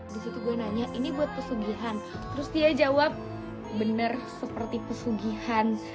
di situ gue nanya ini buat pesugihan terus dia jawab bener seperti pesugihan